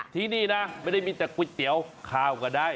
ที่นี่นะไม่ได้มีแต่ก๋วยเตี๋ยวข้าวก็ได้